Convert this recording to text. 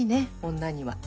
女には。